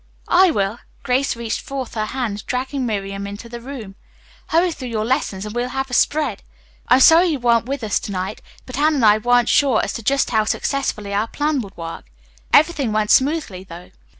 "I will." Grace reached forth her hand, dragging Miriam into the room. "Hurry through your lessons and we'll have a spread. I'm sorry you weren't with us to night, but Anne and I weren't sure as to just how successfully our plan would work. Everything went smoothly, though."